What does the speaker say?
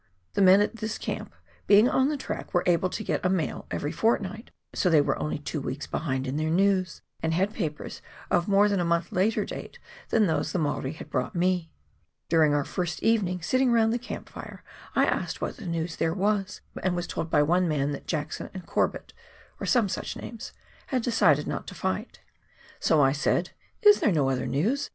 The men at this camp, being on the track, were able to get a mail eyery fortnight, so they were only two weeks behindhand in their news, and had papers of more than a month later date than those the Maori had brought me. During our first evening, sitting round the camp fire, I asked what news there was, and was told by one man that Jackson and Corbett — or some such names — had decided not to fight. So I said, " Is there no other news?"